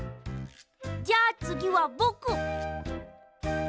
じゃあつぎはぼく！